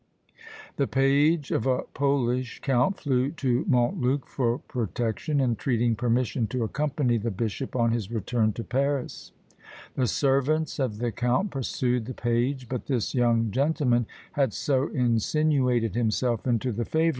The page of a Polish count flew to Montluc for protection, entreating permission to accompany the bishop on his return to Paris. The servants of the count pursued the page; but this young gentleman had so insinuated himself into the favour of the bishop, that he was suffered to remain.